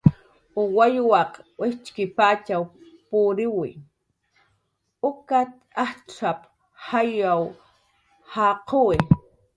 "Wawyaq wijtxkipatxaw puriw utan aptz'ap"" jayw jaquwi"